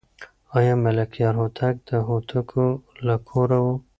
آیا ملکیار هوتک د هوتکو له کوره و؟